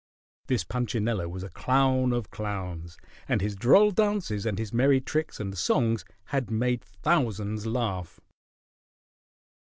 This Punchinello was a clown of clowns, and his droll dances and his merry tricks and songs had made thousands laugh.